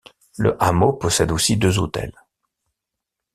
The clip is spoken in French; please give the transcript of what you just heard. Le hameau possède aussi deux hôtels.